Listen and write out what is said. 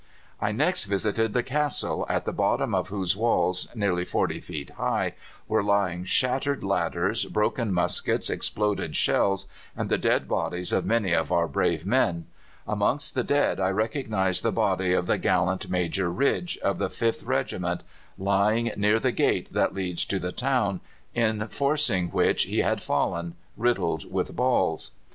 "I next visited the castle, at the bottom of whose walls, nearly 40 feet high, were lying shattered ladders, broken muskets, exploded shells, and the dead bodies of many of our brave men. Amongst the dead I recognized the body of the gallant Major Ridge, of the 5th Regiment, lying near the gate that leads to the town, in forcing which he had fallen, riddled with balls.